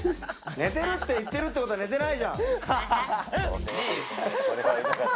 寝てる？って言ってるってことは寝てないじゃん。